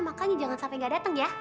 makanya jangan sampai gak dateng ya